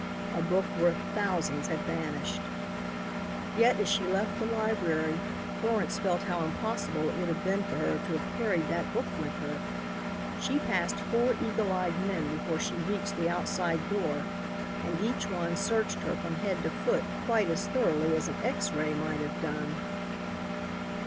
A book worth thousands had vanished. Yet as she left the library, Florence felt how impossible it would have been for her to have carried that book with her. She passed four eagle eyed men before she reached the outside door and each one searched her from head to foot quite as thoroughly as an X ray might have done.